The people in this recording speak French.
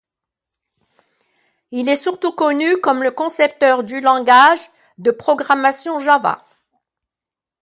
Il est surtout connu comme le concepteur du langage de programmation Java.